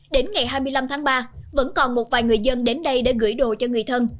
đến ngày hai mươi năm tháng ba vẫn còn một vài người dân đến đây để gửi đồ cho người thân